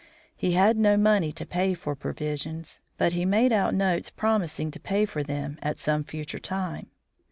He had no money to pay for provisions, but he made out notes promising to pay for them at some future time.